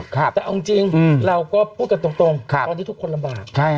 แต่เอาจริงเราก็พูดกันตรงตอนนี้ทุกคนลำบาก